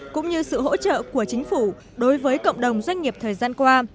cũng như sự hỗ trợ của chính phủ đối với cộng đồng doanh nghiệp thời gian qua